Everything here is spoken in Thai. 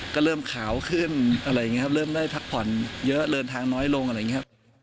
ก็เริ่มขาวขึ้นเริ่มได้พักผ่อนเยอะเลินทางน้อยลงอะไรอย่างนี้